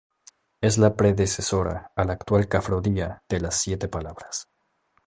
Es la predecesora a la actual Cofradía de las Siete Palabras.